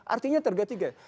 artinya tergantung tiga